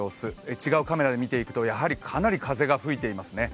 違うカメラで見ていくと、やはりかなり風が吹いてきますね。